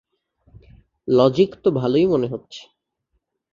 Logic তো ভালোই মনে হচ্ছে।